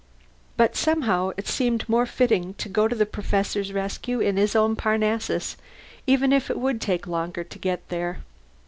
But somehow it seemed more fitting to go to the Professor's rescue in his own Parnassus, even if it would take longer to get there.